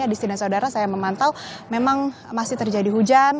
hadis tidak saudara saya memantau memang masih terjadi hujan